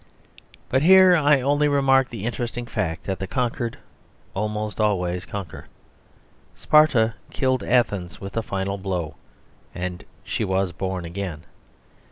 But here I only remark the interesting fact that the conquered almost always conquer. Sparta killed Athens with a final blow, and she was born again.